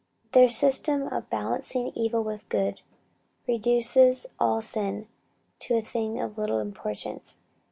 Their system of balancing evil with good, reduces all sin to a thing of little importance.